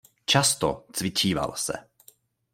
Často cvičíval se.